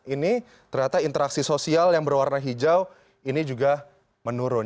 ini ternyata interaksi sosial yang berwarna hijau ini juga menurun